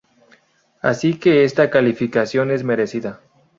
Así que esta calificación es merecida.